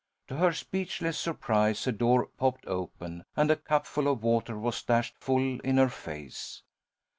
To her speechless surprise, a door popped open and a cupful of water was dashed full in her face.